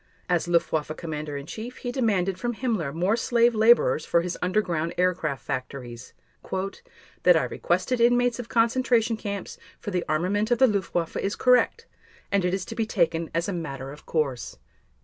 As Luftwaffe Commander in Chief he demanded from Himmler more slave laborers for his underground aircraft factories: "That I requested inmates of concentration camps for the armament of the Luftwaffe is correct and it is to be taken as a matter of course."